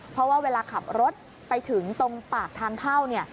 เพราะว่าเวลาขับรถไปถึงตรงปากทางเข้าเนี่ย